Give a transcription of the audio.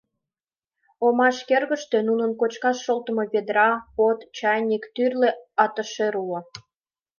Омаш кӧргыштӧ нунын кочкаш шолтымо ведра, под, чайник, тӱрлӧ атышӧр уло.